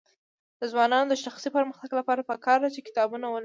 د ځوانانو د شخصي پرمختګ لپاره پکار ده چې کتابونه ولولي.